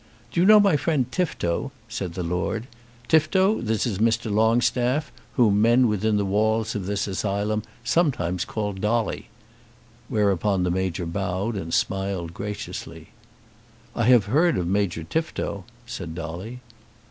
"Do you know my friend Tifto?" said the Lord. "Tifto, this is Mr. Longstaff, whom men within the walls of this asylum sometimes call Dolly." Whereupon the Major bowed and smiled graciously. "I have heard of Major Tifto," said Dolly.